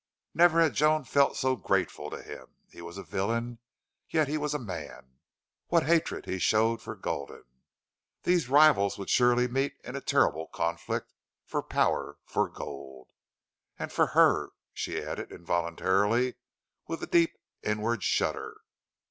Never had Joan felt so grateful to him. He was a villain, yet he was a man. What hatred he showed for Gulden! These rivals would surely meet in a terrible conflict for power for gold. And for her! she added, involuntarily, with a deep, inward shudder.